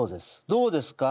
どうですか？